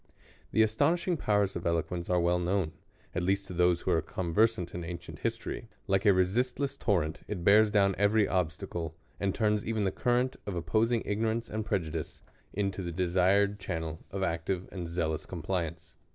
The astonishing powers of eloquence are well knovsrn, at least to those who are conversant in ancient history. Like a resistless torrent, it bears down every obstacle, and turns even the current of opposing ignorance and prejudice? ^2 THE Columbian orator. prejudice into the desired channel of active and zealous compliance.